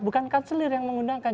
bukan kanselir yang mengundangkan